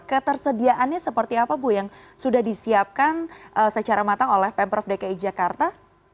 ketersediaannya seperti apa bu yang sudah disiapkan secara matang oleh pemprov dki jakarta